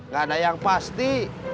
gak ada yang pasti